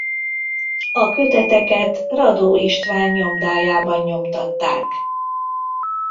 A köteteket Radó István nyomdájában nyomtatták.